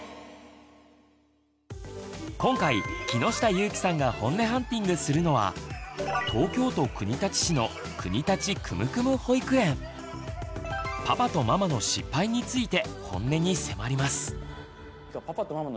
今回木下ゆーきさんがホンネハンティングするのは東京都国立市の「パパとママの失敗」についてホンネに迫ります。